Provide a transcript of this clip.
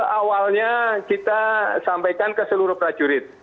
awalnya kita sampaikan ke seluruh prajurit